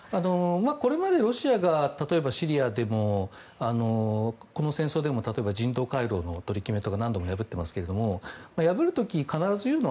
これまでロシアが例えば、シリアでもこの戦争でも人道回廊の取り決めとかを何度も破ってますけど破る時に必ず言うのは